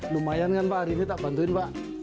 lumayan kan pak hari ini tak bantuin pak